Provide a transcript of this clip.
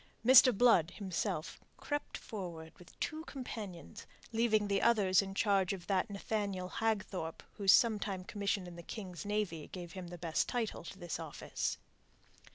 Mr. Blood, himself, crept forward with two companions, leaving the others in the charge of that Nathaniel Hagthorpe whose sometime commission in the King's Navy gave him the best title to this office.